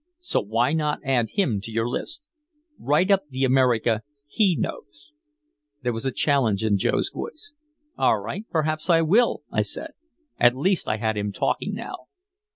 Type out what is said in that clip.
So why not add him to your list? Write up the America he knows." There was a challenge in Joe's voice. "All right, perhaps I will," I said. At least I had him talking now.